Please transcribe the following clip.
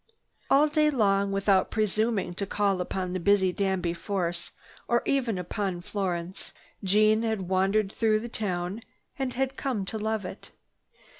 All day long, without presuming to call upon the busy Danby Force, or even upon Florence, Jeanne had wandered through the town and had come to love it.